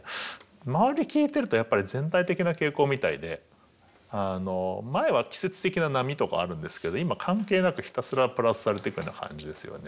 周り聞いてるとやっぱり全体的な傾向みたいで前は季節的な波とかあるんですけど今関係なくひたすらプラスされてくような感じですよね。